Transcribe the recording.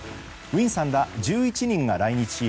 ウィンさんら１１人が来日し